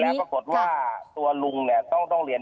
แล้วปรากฏว่าตัวลุงเนี่ยต้องเรียน